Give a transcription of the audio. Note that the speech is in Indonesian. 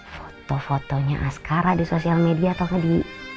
foto fotonya askara di sosial media atau di